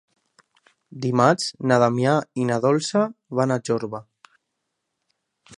Dimarts na Damià i na Dolça van a Jorba.